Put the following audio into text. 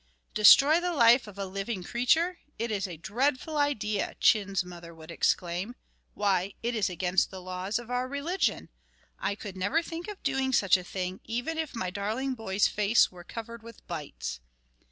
"Destroy the life of a living creature! It is a dreadful idea," Chin's mother would exclaim. "Why, it is against the laws of our religion. I could never think of doing such a thing, even if my darling boy's face were covered with bites."